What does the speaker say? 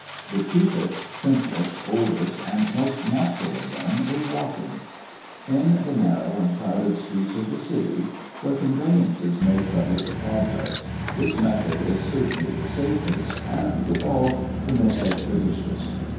The cheapest, simplest, oldest, and most natural of them is walking. In the narrow and crowded streets of the City, where conveyances make but little progress, this method is certainly the safest, and, withal, the most expeditious.